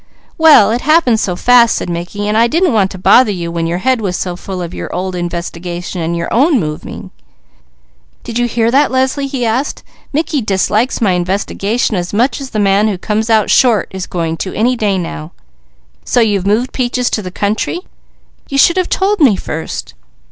"Well it happened so fast," said Mickey, "and I didn't want to bother you when your head was so full of your old investigation and your own moving." "Did you hear that Leslie?" he asked. "Mickey dislikes my investigation as much as the man who comes out short is going to, any day now. So you've moved Peaches to the country? You should have told me, first."